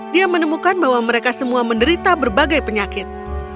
dia menemukan bahwa mereka semua menderita berbagai penyakit